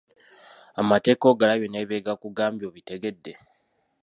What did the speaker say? Amateeka ogalabye ne bye gakugambye obitegedde.